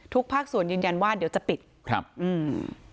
ภาคส่วนยืนยันว่าเดี๋ยวจะปิดครับอืม